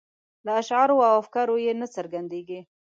له اشعارو او افکارو یې نه څرګندیږي.